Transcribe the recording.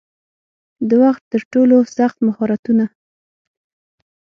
د وخت ترټولو سخت مهارتونه